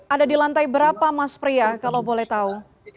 ada di lantai berapa mas pria kalau boleh tahu